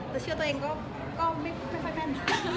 แต่เชื่อตัวเองก็ไม่ค่อยแม่น